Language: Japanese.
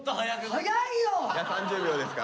早いよ！